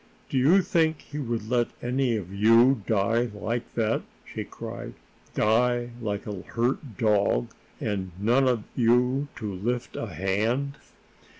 "Do you think he would let any of you die like that?" she cried. "Die like a hurt dog, and none of you to lift a hand?"